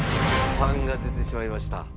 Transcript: ３が出てしまいました。